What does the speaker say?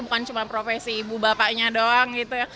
bukan cuma profesi ibu bapaknya doang gitu ya